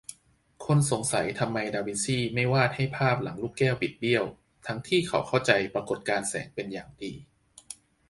คนสงสัยทำไมดาวินซีไม่วาดให้ภาพหลังลูกแก้วบิดเบี้ยว ทั้งที่เขาเข้าใจปรากฏการณ์แสงเป็นอย่างดี